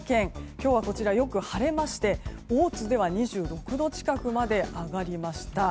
今日はこちらよく晴れまして大津では２６度近くまで上がりました。